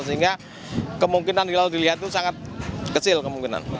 sehingga kemungkinan hilal dilihat itu sangat kecil kemungkinan